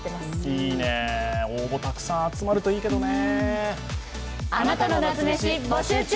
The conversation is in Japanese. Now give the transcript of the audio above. いいね、応募たくさん集まるといいけどね。